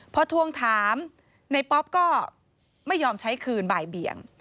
พอทวงถามในป๊อปก็ไม่ยอมใช้คืนบ่ายเบี่ยง